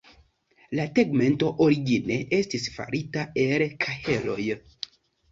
La tegmento origine estis farita el kaheloj.